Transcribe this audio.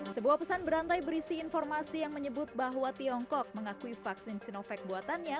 sebuah pesan berantai berisi informasi yang menyebut bahwa tiongkok mengakui vaksin sinovac buatannya